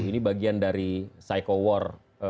ini bagian dari psycho war